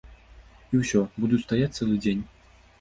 І ўсё, буду стаяць цэлы дзень.